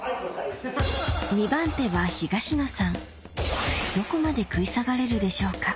２番手は東野さんどこまで食い下がれるでしょうか？